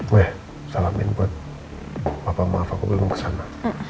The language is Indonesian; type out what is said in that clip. weh salamin buat papa maaf aku belum kesana